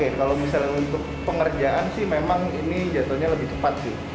jadi ini kalau kita coba lihat di ini kutub ini pengetahuan capit alsih memang ini jatuhnya lebih cepat sih